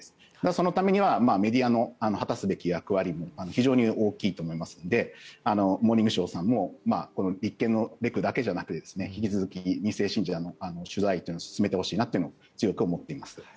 そのためにはメディアの果たすべき役割も非常に大きいと思いますので「モーニングショー」さんも立憲のレクだけじゃなく引き続き２世信者の取材を進めてもらいたいなと強く思っています。